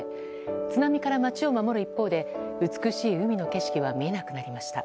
津波から町を守る一方で美しい海の景色は見えなくなりました。